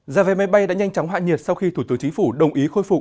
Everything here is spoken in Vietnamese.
giá vé máy bay đã nhanh chóng hạ nhiệt sau khi thủ tướng chính phủ đồng ý khôi phục